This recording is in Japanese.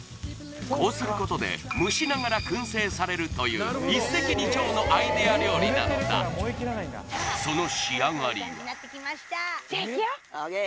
こうすることで蒸しながら燻製されるという一石二鳥のアイデア料理なのだじゃあいくよＯＫ